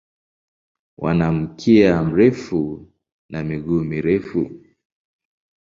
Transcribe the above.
Wana mkia mrefu na miguu mirefu.